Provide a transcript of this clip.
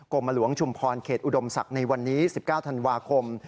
ลมหลวงชุมพรเขตอุดมศักดิ์ในวันนี้๑๙ธันวาคม